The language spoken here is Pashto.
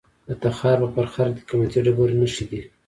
د تخار په فرخار کې د قیمتي ډبرو نښې دي.